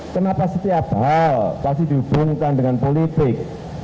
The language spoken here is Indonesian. kenapa setiap hal pasti dihubungkan dengan politik